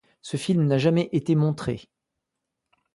Ce film n'a jamais été montré.